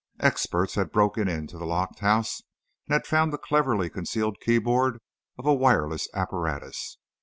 Experts had broken into the locked house and had found a cleverly concealed keyboard of a wireless apparatus.